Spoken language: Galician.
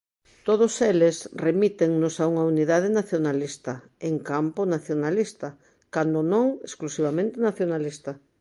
Todos eles remítennos a unha unidade nacionalista, en campo nacionalista, cando non exclusivamente nacionalista.